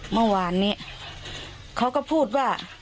เมื่อวานนี้เขาก็พูดว่า